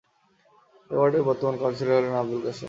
এ ওয়ার্ডের বর্তমান কাউন্সিলর হলেন আবুল কাশেম।